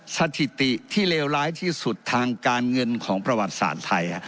สถิติที่เลวร้ายที่สุดทางการเงินของประวัติศาสตร์ไทย